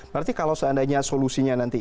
berarti kalau seandainya solusinya nanti